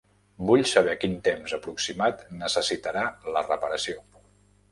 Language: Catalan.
Vull saber quin temps aproximat necessitarà la reparació.